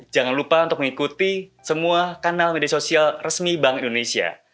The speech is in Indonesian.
jangan lupa untuk mengikuti semua kanal media sosial resmi bank indonesia